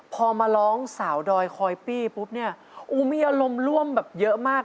พอมาร้องพร้อมร้องมีอารมณ์ร่วมเยอะมาก